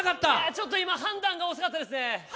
ちょっと今、判断が遅かったですね。